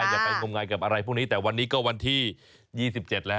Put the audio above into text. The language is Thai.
อย่าไปงมงายกับอะไรพวกนี้แต่วันนี้ก็วันที่๒๗แล้ว